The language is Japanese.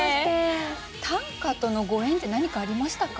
短歌とのご縁って何かありましたか？